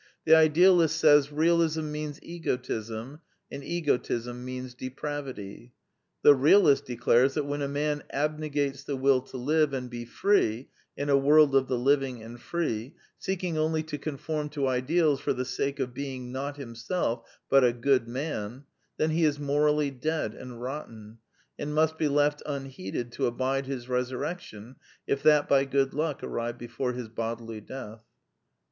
The idealist says, '' Realism means egotism; and egotism means de pravity." The realist declares that when a man abnegates the will to live and be free in a world of the living and free, seeking only to conform to ideals for the sake of being, not himself, but '' a good man," then he is morally dead and rotten, and must be left unheeded to abide his resurrec tion, if that by good luck arrive before his bodily death.